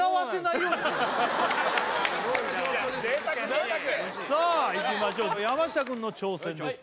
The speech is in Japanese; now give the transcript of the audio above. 贅沢贅沢さあいきましょう山下くんの挑戦です